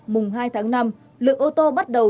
mùng hai tháng năm lượng ô tô bắt đầu